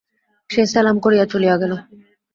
সে সেলাম করিয়া চলিয়া গেল।